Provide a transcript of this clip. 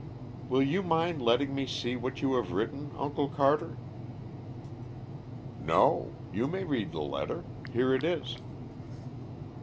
"Will you mind letting me see what you have written, Uncle Carter?" "No; you may read the letter. Here it is."